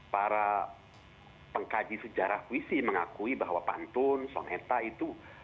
para pengkaji sejarah puisi mengakui bahwa pantun soneta itu